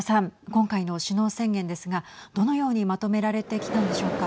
今回の首脳宣言ですがどのようにまとめられてきたんでしょうか。